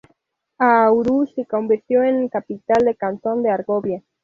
Aarau se convirtió en capital del cantón de Argovia.